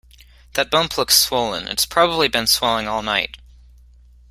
That bump looks swollen. It's probably been swelling all night.